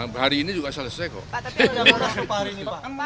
ya enggak hari ini juga selesai kok